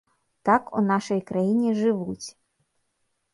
Так у нашай краіне жывуць.